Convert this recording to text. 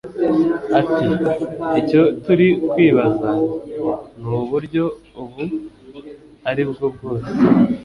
ati icyo turi kwibaza ni uburyo ubu ari bwo bwose